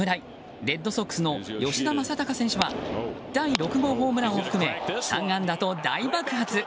レッドソックスの吉田正尚選手は第６号ホームランを含め３安打と大爆発。